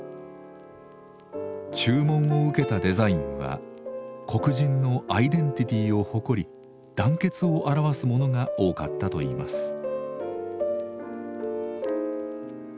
注文を受けたデザインは黒人のアイデンティティーを誇り団結を表すものが多かったといいます。